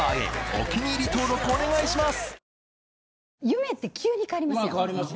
お気に入り登録お願いします